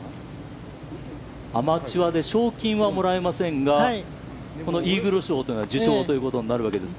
アマチュアなので賞金はもらえませんが、このイーグル賞は受賞ということになるわけです。